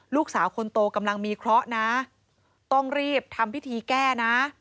ลูกสาวคนโตกำลังมีเคราะห์นะต้องรีบทำพิธีแก้นะ